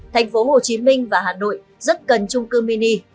thành phố hồ chí minh và hà nội rất cần trung cư mini